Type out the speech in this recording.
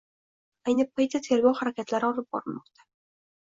Ayni paytda tergov harakatlari olib borilmoqda